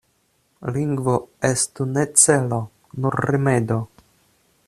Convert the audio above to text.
Lingvo estu ne celo, nur rimedo.